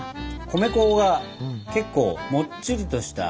米粉が結構もっちりとした。